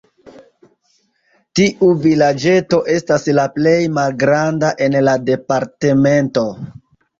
Tiu vilaĝeto estas la plej malgranda en la departemento.